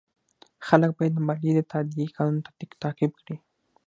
خلک باید د مالیې د تادیې قانون تعقیب کړي.